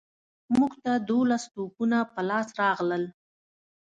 موږ ته دوولس توپونه په لاس راغلل.